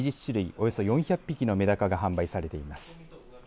およそ４００匹のめだかが販売されています。